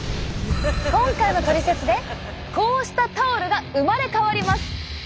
今回の「トリセツ」でこうしたタオルが生まれ変わります！